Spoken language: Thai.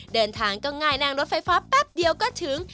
เดินทางก็ง่ายนั่งรถไฟฟ้าแป๊บเดียวก็ถึง